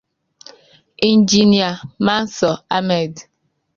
Injinia Mansur Ahmed